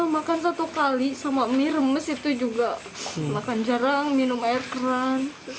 makan satu kali sama mie remes itu juga makan jarang minum air keren